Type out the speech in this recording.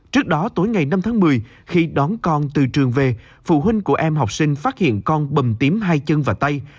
trước đó tối ngày năm tháng một mươi khi đón con từ trường về phụ huynh của em học sinh phát hiện con bầm tím hai chân và tay